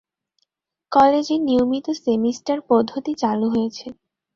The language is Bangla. কলেজে নিয়মিত সেমিস্টার পদ্ধতি চালু হয়েছে।